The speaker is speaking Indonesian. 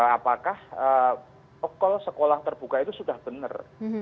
apakah call sekolah terbuka itu sudah benar